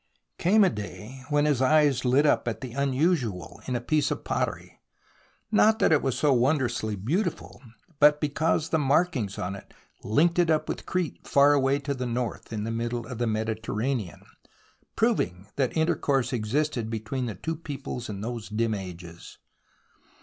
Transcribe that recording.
Came a day when his eyes lit up at the unusual in a piece of pottery, not that it was so 30 THE ROMANCE OF EXCAVATION wondrously beautiful, but because the markings on it linked it up with Crete far away to the north in the middle of the Mediterranean, proving that intercourse existed between the two peoples in those dim ages.